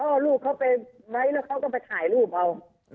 ก็เอาลูกเขาไปไว้แล้วก็ไปถ่ายรูปเอา